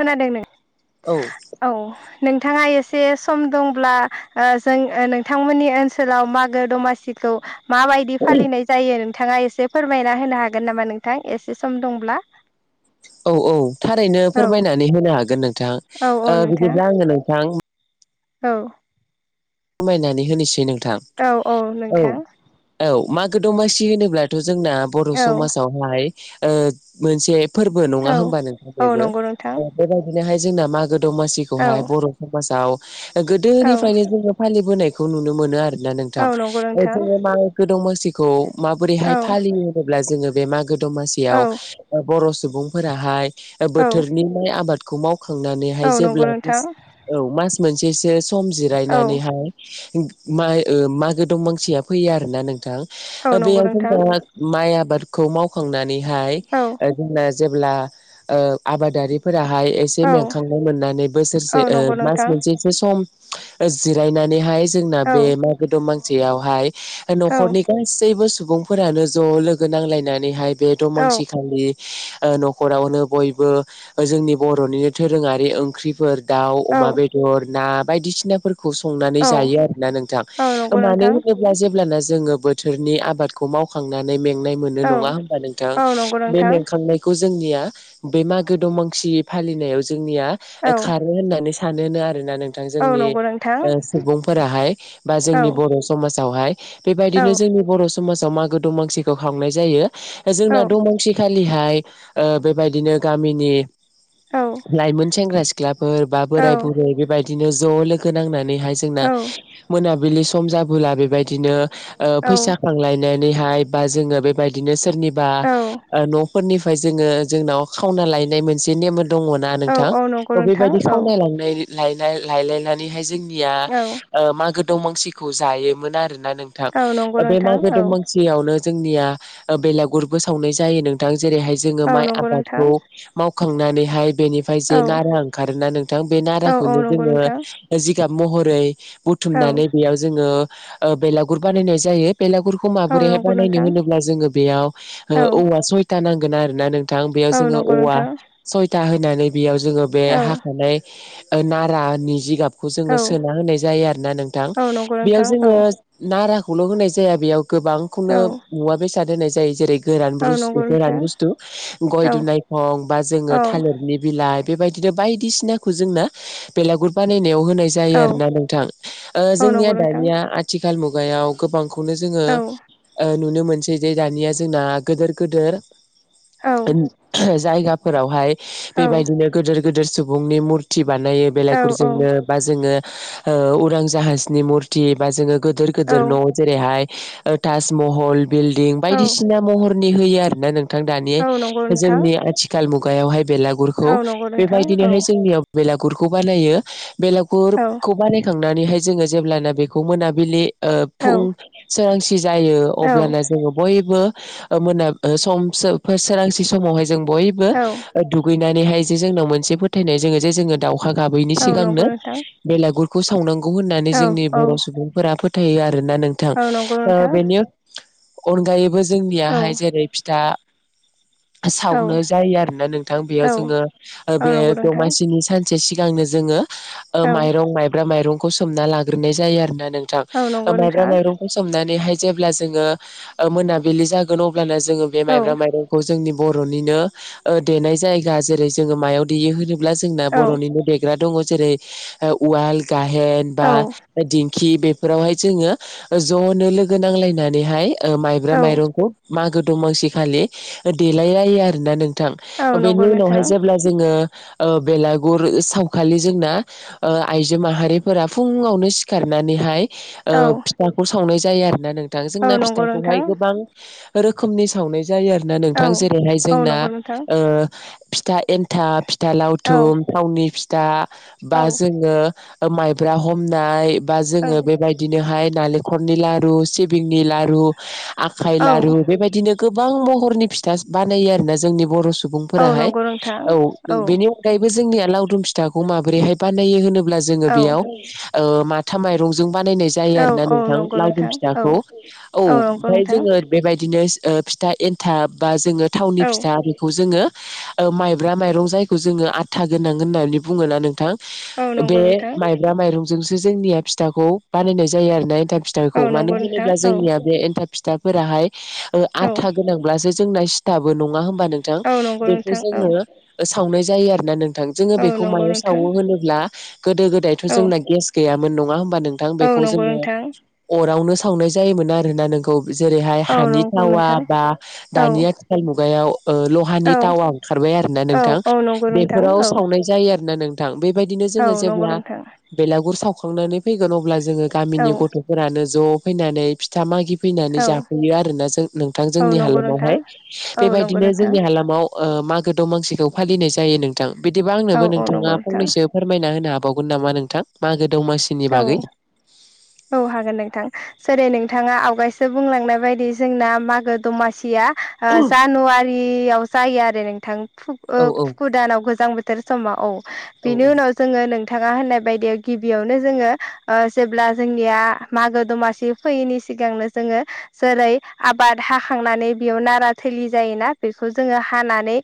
खोनादों नों औ औ नोंथाङा एसे सम दंब्ला ओ जों ओ नोंथांमोननि ओनसोलाव मागो दमासिखौ माबायदि फालिनाय जायो नों थाङा एसे फोरमायना होनो हागोन नामा नोंथां एसे सम दंब्ला? औ औ थारैनो औ फोरमायनानै होनो हागोन नोंथां औ औ ओ नोंथां बिदिब्ला आङो नोंथां औ फोरमायनानै होनोसै नोंथां औ औ नोंथां औ मा गो दमासि होनोब्लाथ' जोंना बर' औ समाजावहाय ओ मोनसे फोरबो नङा औ होनोमबा नोंथां औ बेबो नंगौ नोंथां ओ बेबायदिनोहाय जोंना मागो औ दमासिखौहाय बर' समाजाव ओ औ गोदोनिफ्रायनो जोङो फालिबोनायखौ नुनो मोनो आरो ना नोंथां औ नंगौ ओ नोंथां जोङो मागो दमासिखौ माबोरैहाय औ फालियो होनोब्ला जोङो बे मागो औ दमासियाव ओ बर' सुबुंफोराहाय ओ बोथोरनि आबादखौ माव औ खांनानैहाय नंगौ जेब्ला नोंथां औ मास मोनसेसो सम औ जिरनानै माइ ओ मागो दमांसिया फैयो आरो ना औ नोंथां। नंगौ बेयाव नोंथां जोंना माइ आबादखौ मावखांनानैहाय औ ओ जोंना जेब्ला ओ आबादारिफोर राहाय ऐसे औ मेंखां मोननानै औ बोसोरसे ओ नंगौ मास नोंथां मोनसेसो सम जिरायनानैहाय जोंना औ बे मागो दमासियावहाय ओ औ न'खरनि गासैबो सुबुं सुबुंफोरानो ज' लोगो नांलायनानैहाय बे औ दमांसिखालि ओ न'खरावनो बयबो ओ जोंनि बर'निनो धोरोङारि ओंख्रिफोर दाउ, अमा औ बेदर, ना बायदिसिनाफोरखौ संनानै औ जायो आरोना नोंथां औ नंगौ मानो नोंथां होनोब्ला जेब्लाना जोङो बोथोरनि आबादखौ मावखांनानै में मेंनाय मोनो औ नङा होनबा नोंथां औ नंगौ बे नोंथां मेंखांनायखौ जोंनिया बे मागो दमासि फालिनायाव जोंनिया औ खारो होननानै सानोनो आरो ना नोंथां औ जोंनि नंगौ नोंथां ओ सुबुंफोराहाय बा औ जोंनि बर' समाजावहाय औ बेबायदिनो जोंनि बर' समाज माजाव मागो दमासिखौ खालामनाय जायो औ जोंना दमासि खालिहाय ओ बेबायदिनो गामिनि औ लाइमोन सेंग्रा सिख फोर बा औ बोराय बुरै बेबायदिनो ज' लोगो नांनानैहाय जोंना मोनाबिलि स सम जाबोला बेबायदिनो ओ औ फैसा खांलायनानैहाय बा जोङो बेबायदिनो सोरनि निबा औ नफोरनिफ्राय जोङो खावना लायनाय मोनसे नेम दङना औ नोंथां औ नंगौ नोंथां बेबायदि औ खावना लांनाय लायलाय-लायलायनानैहाय जोंनि जोंनिया औ ओ मागो दंमासिखौ जायोमोन आरो। ना नोंथां औ नंगौ बे नोंथां मागो औ दमासियावनो जोंनिया ओ बेलागुरबो सावनाय जायो नोंथां जेरैहाय जोङो औ माइ नंगौ नोंथां आबादखौ खांनानैहाय बेनिफ्राय जे औ नारा ओंखारोना नोंथां बे औ नाराखौनो नंगौ जोङो नोंथां जिगाब महरै औ बुथुमनानै बेयाव जोङो बेलागुर ओ बानायनाय जायो। बेलागुरखौ औ माबोरैहाय नंगौ बानायनो नोंथां होनोब्ला जोङो बेयाव ओ औ औवा सयथा नांगोन आरो ना नों थां बेयाव औ जोङो नंगौ औवा नोंथां सयथा होनानै बेयाव जोङो बे औ हाख'नाय नारानि जिगाब खौ जोङो औ सोना होनाय जायो आरोना नोंथां औ नंगौ बेयाव नोंथां औ जोङो नाराखौल' होनाय जाया बेयाव गोबांखौनो औ मुवा बेसाद होनाय जायो जेरै गोरान औ ब्रुस नंगौ नोंथां गोरान बुसथु गय औ दुनायखं बा जोङो औ औ थालिरनि बिलाइ बेबायदिनो बायदिसिनाखौ जोंना बेलागुर बानायनायाव होनाय जायो आरोना नोंथां ओ औ जोंनिया नंगौ नोंथां दानिया आथिखाल मुगायाव गोबां खौनो जोङो औ ओ नुनो मोनसै जे दानिया जोंना गोदोर गोदोर औ औ जायगाफोरावहाय बेबायदिनो गोदोर गोदोर सुबुंनि मुरथि बानायो औ बेलाइगुरजोंनो औ बा जोङो ओ उरां जाहाजनि मुरथि बा जोङो गोदोर गोदोर औ न' जेरैहाय ओ ताजमहल बिल्डिं औ बायदिसिना महरनि होयो आरोना नों थां दानि नंगौ नोंथां जोंनि आथिखाल मुगायावहाय बेलागुरखौ औ नंगौ नोंथां औ बेबायदिनोहाय जोंनियाव बेलागुरखौ बानायो। औ बेलागुरखौ बानायखांनानैहाय जोङो जेब्लाना बेखौ मोनाबिलि ओ औ फुं सोरांसि जायो औ अब्लानो जोङो बयबो ओ मोना सम सोरांसि समावहाय जों बयबो औ दुगैनो नानैहाय जे जोंनाव मोनसे फोथायनाय जे जोङो दाव दावखा गाबैनि औ नंगौ सिगांनो नोंथां बेलागुरखौ सावनांगौ होननानै औ जोंनि औ बर' सुबुंफोरा फोथायो आरो। आरोना नोंथां औ नंगौ ओ नोंथां बेनि अनगायैबो औ जोंनियाहाय जेरै फिथा औ सावनाय जायो आरो ना नोंथां औ बेयाव जोङो औ बे नंगौ नोंथां दमासिनि सान सानसे सिगांनो जोङो ओ औ माइरं माइब्रा माइरंखौ सोमना लाग्रोनाय जायो आरोना। नोंथां औ नंगौ माइब्रा नोंथां माइरं सोमनानैहाय जेब्ला जोङो मोनाबिलि जागोन अब अब्लाना जोङो बे औ माइब्रा माइरंखौ जोंनि बर'निनो ओ देनाय जायगा जेरै जोङो मायाव देयो होनोब्ला जों औ बर'निनो देग्रा दङ जेरै उवाल गाहेन बा औ दिं दिंखि बेफोरावहाय जोङो ज'नो लोगो नांलायनानैहाय ओ माइब्रा औ माइरंखौ मागो दमासि खालि देलायलायो आरोना नों औ नोंथां नंगौ बेनि नोंथां उनावहाय जेब्ला जोङो ओ बेलागुर बेलागुर सावखालि जोंना ओ आइजो माहारिफोरा फुङावनो सिखारनानैहाय औ ओ फिथाखौ सावनाय जायो आरोना नोंथां औ जोंना नंगौ फिथाखौहाय नोंथां गोबां रोखोमनि सावनाय जायो आरो ना नोंथां औ जेरैहाय औ जोंना नंगौ नोंथां ओ फिथा एन्थाप फिथा औ लावथुम औ थावनि फिथा बा जोङो माइब्रा हमनाय बा औ जोङो बेबायदिनोहाय नालेंखलनि लारु सिब सिबिंनि लारु आखाइ औ लारु बेबायदिनो गोब गोबां महरनि फिथा बानायो आरोना जोंनि बर' सु औ सुबुंफोराहाय नंगौ नोंथां औ बेनि अनगायैबो जों जोंनिया लावदुम फिथाखौ माबोरैहाय बानायो होनोब्ला माथा माइरंजों बानायनाय जायो आरोना औ औ नोंथां नंगौ लावदुम नोंथां फिथाखौ औ नंगौ ओमफ्राय नोंथां जोङो बेबायदिनो फिथा एन्थाब बा जोङो थावनि फिथा औ बेखौ जोङो ओ माइब्रा माइरं जायखौ जोङो आथा गोनां होननानै बुङोना नोंथां। औ बे नंगौ नोंथां माइब्रा माइरंजोंसो जोंनिया फिथाखौ बानायनाय जायो आरोना। थाब औ फिथाखौ मानो नंगौ नोंथां होनोब्ला औ जोंनिया बे एन्थाब फिथाफोराहाय औ आथा गोनांब्लासो जोंना सिथाबो नङा होनबा नोंथां औ नंगौ बेखौ नोंथां औ जोङो सावनाय जायो आरो ना नों जोङो औ बेखौ नंगौ मायाव नोंथां सावो होनोब्ला गोदो गोदायथ' औ जोंना गेस गैयामोन नङा हबा नोंथां औ बेखौ नंगौ जोङो नोंथां अरआवनो सावनाय जायोमोन आरोना नोंथां। खौ जेरैहाय औ हानि नंगौ थावा नोंथां बा औ दानि आथिखाल मुगायाव ओ लहानि औ थावायाव ओंखारबाय आरोना औ नोंथां औ नंगौ नोंथां फोराव औ सावनाय जायो आरोना नोंथां बेबायदिनो औ जोङो नंगौ जेब्ला नोंथां बेलागुर साव सखांनानै फैगोन अब्ला जोङो औ गामिनि गथ'फोरानो ज' फैनानै फिथा मागि फैनानै औ जाफैयो आरोना जों नोंथां औ जोंनि नंगौ नोंथां हालामावहाय औ नंगौ बेबायदिनो नोंथां जोंनि हालामाव मागो दमासिखौ फालिनाय जायो नोंथां बिदिबा औ आंनोबो औ नोंथाङा नंगौ नोंथां फंनैसो फोरमायना होनो मावगोन नामा नोंथां मा औ औ हागोन नोंथां। सोरै नोंथाङा आवगायसो बुंलांनाय बायदि जोंना मागो दमासिया ओ जानुवारि याव जायो आरो नोंथां कु ओ औ औ कुकु दानाव गोजां बोथोर समाव औ औ बिनि उनाव जोङो नोंथाङा होननाय बायदि गिबियाव नो जोङो ओ जेब्ला जोंनिया मागो दमासि फैयैनि सिगांनो जोङो जेरै आबाद हाखांनानै बेयाव नारा थेलि जायोना बेखौ जोङो हानानै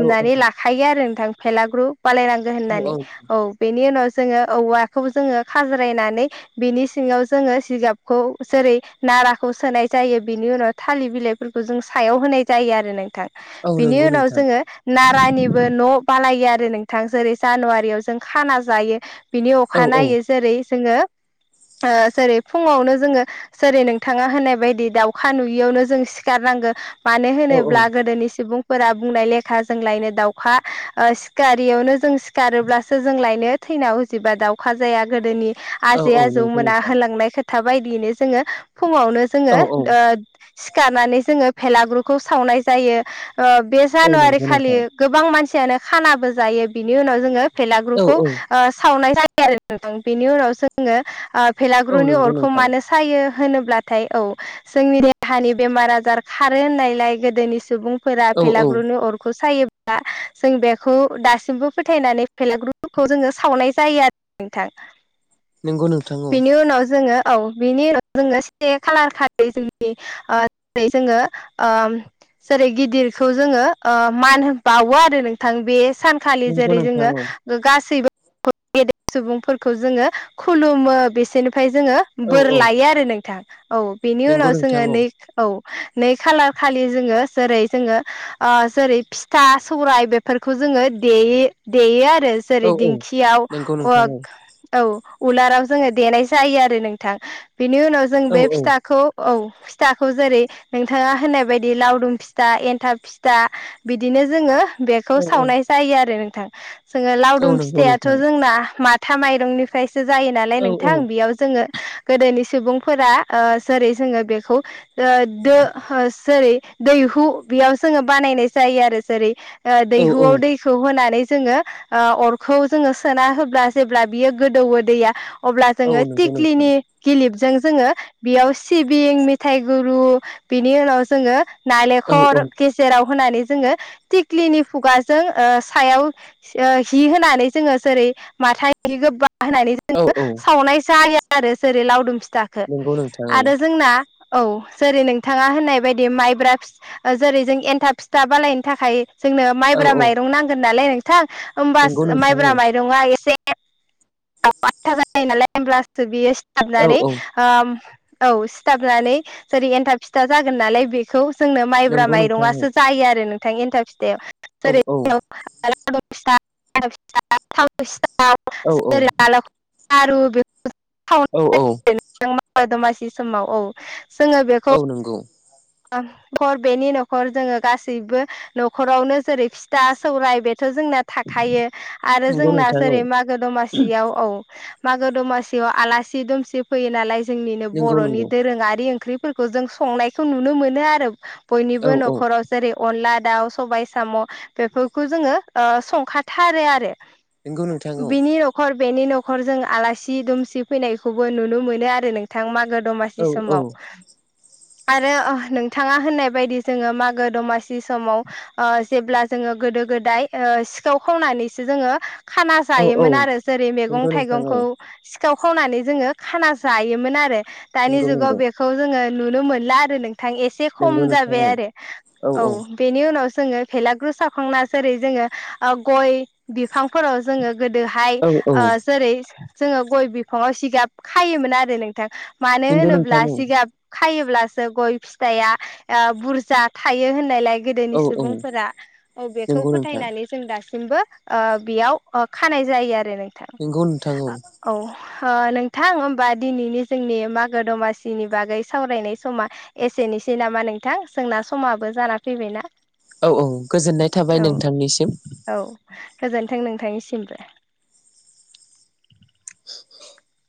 औ लाखायो आरो नोंथां फेलाग्रु बालायनांगो होननानै औ बेनि उनाव जोङो औवा जोङो खाज्रायनानै बिनि सिङाव जोङो जिगाबखौ जेरै नाराखौ सोनाय जायो बिनि उनाव थालिर बिलाइफोरखौ जों सायाव होनाय जायो आरो नोंथां औ बिनि नंगौ उनाव नोंथां जोङो नारानिबो न' बालायो आरो नोंथां जेरै जानुवारियाव जों खाना जायो बिनि औ अखा औ नायो जेरै जोङो ओ जेरै फुङावनो जोङो जेरै नोंथाङा होननाय बायदि दाउखा नुयियावनो जों सिखारना मानो औ औ होनोब्ला गोदोनि सुबुं फोरा बुंनाय लेखा जों लायनो दाउखा सिखारियावनो जों सिखारोब्लासो जों लायनो थैना उजिबा दावखा जाया गोदोनि औ आजै औ आजौ नंगौ मोना नोंथां होलांनाय खोथा था बायदियैनो जोङो फुङावनो औ जोङो औ ओ सिखारनानै जोङो भेलागुरखौ सावनाय जायो ओ बे औ जानुवारि नंगौ खालि नोंथां गोबां मानसि खानाबो जायो बिनि उनाव जोङो औ बेलागुरखौ औ ओ सावनाय [unintelligible] बेनि उनाव जोङो औ भेलागुरनि नंगौ अरखौ नोंथां मानो सायो होनोब्लाथाय औ जोंनि देहानि बेमार आजार खारो होननायलाय गोदोनि सुबुं फोरा औ औ फेलाग्रुनि अरखौ सायो। दा जों बेखौ दासिमबो फोथायनानै [unintelligible] जोङो सावनाय जायो आरो नोंथां नंगौ नोंथां औ बेनि उनाव जोङो औ बिनि उनाव जोङो से खालार खालि जोंनि ओ जोङो ओ [unintelligible] जेरै गिदिरखौ जोङो ओ मान होनो बावो आरो नोंथां बे सानखालि नंगौ जेरै नोंथां जोङो औ गासैबो गेदेर सुबुंफोरखौ जोङो खुलुमो बिसोरनिफ्राय जोङो औ बोर औ लायो आरो नोंथां। औ बिनि नंगौ उनाव नोंथां जोङो औ नै औ नै खालार खालि जोङो जेरै जोङो ओ जेरै फिथा सौराय बेफोरखौ जों, जोङो देयो देयो आरो औ जेरै औ दिंखियाव नंगौ नोंथां औ [unintelligible] औ उलाराव जोङो देनाय जायो आरो नोंथां बेनि उनाव जों औ बे फिथाखौ औ, फिथाखौ जेरै नोंथाङा होननाय बायदि लावदुम फिथा एन्थाब फिथा बिदिनो जोङो बेखौ औ औ औ सावनाय जायो आरो नोंथां जोङो औ लावदुम नंगौ फिथायाथ' नोंथां जोंना मा थामाइरंनिफ्रायसो जायो नालाय औ औ नोंथां बेयाव जोङो गोदोनि सुबुंफोरा ओ जेरै जोङो बेखौ ओ दो ओ जेरै दैहु बेयाव जोङो बानायनाय जायो आरो जेरै औ औ दैहुआव दैखौ होनानै जोङो ओ अरखौ जोङो सोना होब्ला जेब्ला बियो गोदौओ दैया अब्ला औ जोङो नंगौ नोंथां थिक्लिनि गिलिबजों जोङो बेयाव सिबिं मेथाइ गुरु बिनि उनाव जोङो औ औ नालेखर गेजेराव होनानै जोङोनि टिक्लीनि खुगाजों ओ सायाव हि होनानै जोङो जेरै माथा हि गोबा होननानै औ जोङो औ सावनाय जायो आरो जेरै लावदुम फिथा जाखो नंगौ नोंथां आरो जोंना औ जेरै नोंथाङा होननाय बायदि माइब्रा फि जेरै जों एन्थाब फिथा बानायनो थाखाय जोंनो औ माइब्रा औ माइरं नांगोन नालाय नोंथां नंगौ होमबासो नोंथां माइब्रा माइरंआ औ औ [unintelligible] औ सिथाबनानै जेरै एन्थाब फिथा जागोन नालाय बेखौ‌ जोंनो माइब्रा नंगौ नोंथां औ माइरंसो जायो आरो नोंथांनि एन्थाब फिथाइाव औ औ औ जेरै [unintelligible] [unintelligible] औ औ, दमासि समाव औ, जोङो बेखौ औ नंगौ, बेनि न'खर जोङो गासैबो न'खरावनो जेरै फिथा सौराय बे जोंना थाखायो आरो नंगौ जोंना नोंथां औ जेरै मागो दमासियाव औ मागो दमासियाव आलासि दुमसि फैयो नालाय जोंनिनो नंगौ बर'नि नंगौ दोरोङारि ओंख्रि- फोर जों संनायखौ नुनो मोनो आरो औ बयनिबो औ न'खराव जेरै अनला, दाउ सबाय साम' बेफोरखौ जोङो ओ संखाथारो आरो, नंगौ नोंथां औ, बिनि न'खर बेनि न'खर जों आलासि दुमसि फैनायखौबो नुनो मोनो आरो नोंथां मागो [unintelligible] दमासि औ समाव, औ [unintelligible] आरो नोंथाङा होननाय बायदि जोङो मागो दमासि समाव ओ जेब्ला जोङो- गोद गोदाय सिखाव खावनानैसो जोङो खाना औ औ जायोमोन आरो जेरै मैगं नंगौ नोंथां औ थाइगंखौ- सिखाव खावनानै जोङो खाना जायोमोन आरो दानि नंगौ जुगाव नंगौ बेखौ जोङो नुनो मोनला आरो नों नोंथां एसे नंगौ खम नोंथां जाबाय औ आरो औ बेनि उनावसो जोङो भेेलागुरू सावखांना जेरै जोङो गय बिफांफोराव जोङो गोदोहाय औ ओ जेरै जोङो ग'य बिफाङाव जिगाब खायोमोन आरो नोंथां मानो नंगौ नोंथां होनोब्ला जिगाब खायोब्लासो ग'य फिथाइआ बुरजा थायो होननायलाय गोदोनि औ औ सुबुंफोरा औ बेखौ नंगौ नोंथां फोथायनानै जों दासिम ओ बेयाव खानाय जायो आरो नोंथां नंगौ नोंथां औ नोंथां होमबा दिनैनि जोंनि मागो दमासिनि बागै सावरायनाय समा एसेनोसै नामा नोंथां जोंना समाबो जाना फैबायना, औ औ गोजोननाय थाबाय औ नोंथांनिसिम, औ गोजोन्थों नोंथांनिसिमबो। [unintelligible]